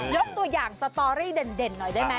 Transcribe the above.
ยกตัวอย่างสตอรี่เด่นหน่อยได้ไหม